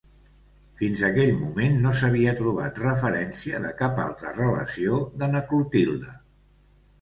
Fins aquell moment no s'havia trobat referència de cap altra relació de na Clotilde.